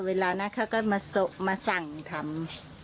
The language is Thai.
เวลาน่ะเขาก็มาส่งมาสั่งทำ